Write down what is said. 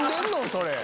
それ！